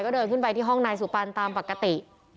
ก็เดินขึ้นไปที่ห้องนายสุปันตามปกติ